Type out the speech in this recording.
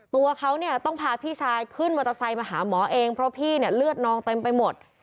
ตัวเขาเนี่ยต้องพาพี่ชายขึ้นมอเตอร์ไซค์มาหาหมอเองเพราะพี่เนี่ยเลือดนองเต็มไปหมด